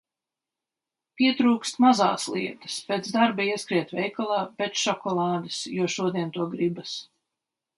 Pietrūkst mazās lietas. Pēc darba ieskriet veikalā pēc šokolādes, jo šodien to gribas.